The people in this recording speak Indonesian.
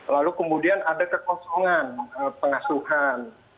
lalu kemudian ada kekosongan pengasuhan